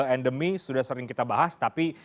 endemi sudah sering kita bahas tapi